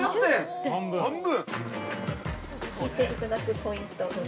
半分。